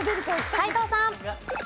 斎藤さん。